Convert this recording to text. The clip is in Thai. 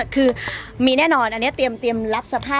คือมีแน่นอนอันนี้เตรียมรับสภาพ